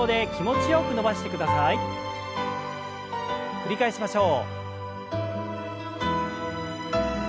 繰り返しましょう。